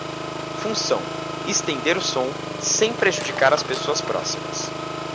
Função: estender o som, sem prejudicar as pessoas próximas.